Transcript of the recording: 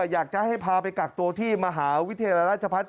อยากจะให้พาไปกักตัวที่มหาวิทยาลัยราชพัฒน